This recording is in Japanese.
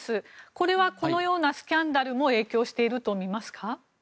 これはこのようなスキャンダルも影響しているとみますか？